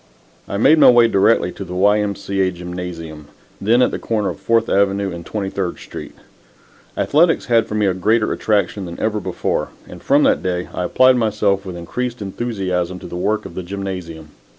I made my way directly to the Y. M. C. A. gymnasium, then at the corner of Fourth Avenue and Twenty third Street. Athletics had for me a greater attraction than ever before, and from that day I applied myself with increased enthusiasm to the work of the gymnasium.